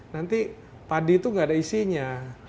nanti padi itu nggak ada isinya